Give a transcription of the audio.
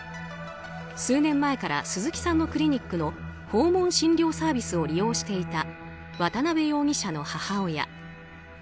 数年前から鈴木さんのクリニックの訪問診療サービスを利用していた渡辺容疑者の母親。